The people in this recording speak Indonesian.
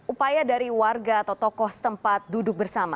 upaya dari warga atau tokoh setempat duduk bersama